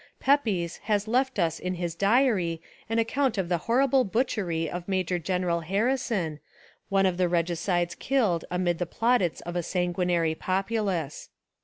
Pepys has left us in his Diary an account of the horrible butchery of Major General Harrison, one of the regi cides killed amid the plaudits of a sanguinary populace.